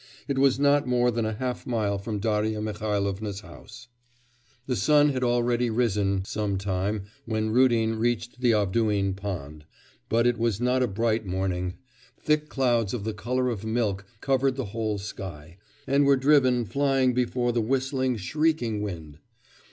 It was not more than half a mile from Darya Mihailovna's house. The sun had already risen some time when Rudin reached the Avduhin pond, but it was not a bright morning. Thick clouds of the colour of milk covered the whole sky, and were driven flying before the whistling, shrieking wind.